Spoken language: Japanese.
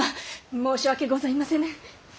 申し訳ございませぬ！